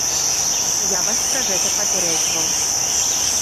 Я вас пра гэта папярэджваў.